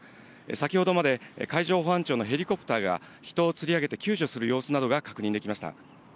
先ほどまで、海上保安庁のヘリコプターが人をつり上げて救助する様子などが確認できました。